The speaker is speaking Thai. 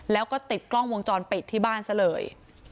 แล้วก็ติดกล้องวงจรปิดที่บ้านซะเลย